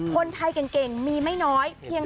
คนไทยเก่งมีไม่น้อย